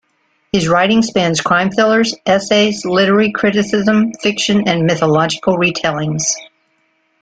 His writing spans crime thrillers, essays, literary criticism, fiction and mythological retellings.